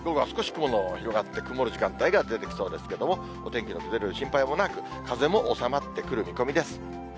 少し雲が広がって、曇る時間帯が出てきそうですけれども、お天気の崩れる心配もなく、風も収まってくる見込みです。